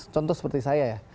contoh seperti saya ya